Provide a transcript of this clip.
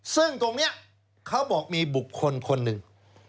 ซึ่งตรงนี้เขาบอกมีบุคคลคนหนึ่ง